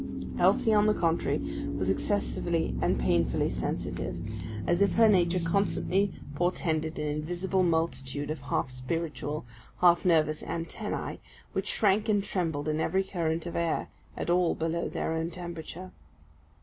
Elsie, on the contrary, was excessively and painfully sensitive, as if her nature constantly portended an invisible multitude of half spiritual, half nervous antenna, which shrank and trembled in every current of air at all below their own temperature.